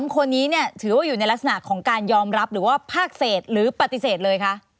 ๓คนนี้เนี่ยถือว่าอยู่ในลักษณะของการยอมรับหรือว่าภาคเศษหรือปฏิเสธเลยคะ